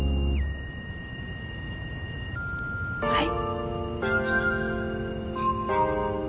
はい。